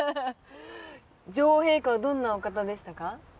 女王陛下はどんなお方でしたか？